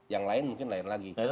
yang lain mungkin lain lagi